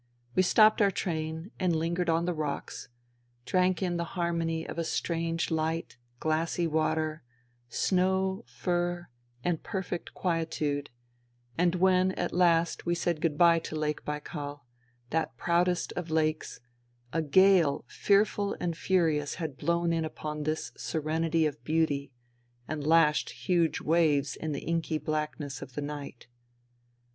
We stopped our train and lingered on the rocks, drank in the harmony of a strange light, glassy water, snow, fir, and perfect quietude ; and when at last we said good bye to Lake Baikal, that proudest of lakes, a gale fearful and furious had blown in upon this serenity of beauty and lashed huge waves in the inky blackness of the night.